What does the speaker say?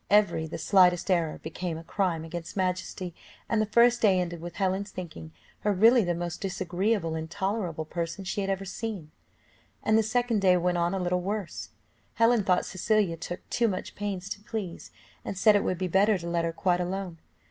Every, the slightest error, became a crime against majesty, and the first day ended with Helen's thinking her really the most disagreeable, intolerable person she had ever seen. And the second day went on a little worse. Helen thought Cecilia took too much pains to please, and said it would be better to let her quite alone.